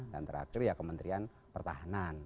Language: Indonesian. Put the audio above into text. dan terakhir ya kementerian pertahanan